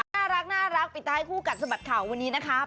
น่ารักปิดท้ายคู่กัดสะบัดข่าววันนี้นะครับ